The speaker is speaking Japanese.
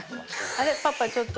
あれパパちょっと。